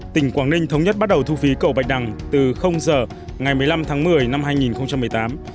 tỉnh quảng ninh thống nhất bắt đầu thu phí cầu bạch đằng từ giờ ngày một mươi năm tháng một mươi năm hai nghìn một mươi tám